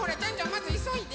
まずいそいで！